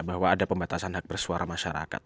bahwa ada pembatasan hak bersuara masyarakat